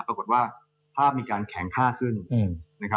ปรากฏว่าภาพมีการแข็งค่าขึ้น